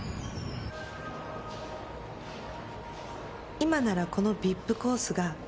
今ならこのＶＩＰコースが２０万円よ。